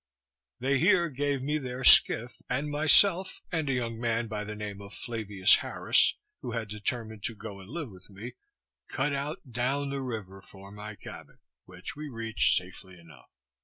They here gave me their skiff, and myself and a young man by the name of Flavius Harris, who had determined to go and live with me, cut out down the river for my cabin, which we reached safely enough.